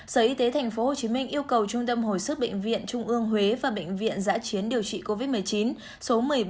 sở y tế tp hcm yêu cầu trung tâm hồi sức bệnh viện trung ương huế và bệnh viện giã chiến điều trị covid một mươi chín số một mươi bốn